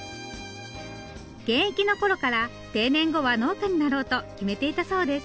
現役のころから定年後は農家になろうと決めていたそうです。